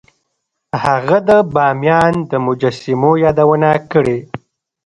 هغه د بامیان د مجسمو یادونه کړې